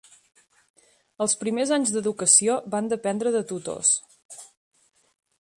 Els primers anys d'educació van dependre de tutors.